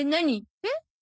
えっ？